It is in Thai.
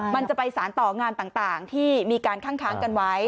มันจะไปสารต่องานต่างที่มีการคั่งค้างกันไว้